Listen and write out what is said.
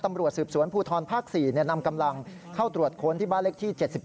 ตำรวจสืบสวนภูทรภาค๔นำกำลังเข้าตรวจค้นที่บ้านเล็กที่๗๒